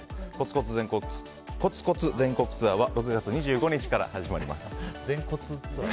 「コツコツ全国ツアー」は６月２５日から始まります。